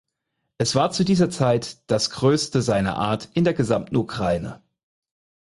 Es war zu dieser Zeit das größte seiner Art in der gesamten Ukraine.